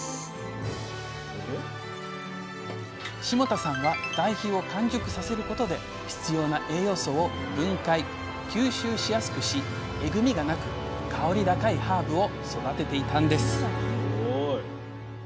霜多さんは堆肥を完熟させることで必要な栄養素を分解吸収しやすくしえぐみがなく香り高いハーブを育てていたんです